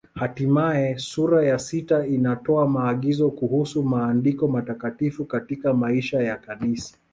Hatimaye sura ya sita inatoa maagizo kuhusu Maandiko Matakatifu katika maisha ya Kanisa.